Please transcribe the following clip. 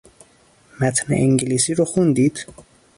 متن انگلیسی رو خوندید؟